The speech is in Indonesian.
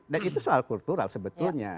dan itu soal kultural sebetulnya